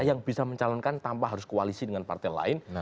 yang bisa mencalonkan tanpa harus koalisi dengan partai lain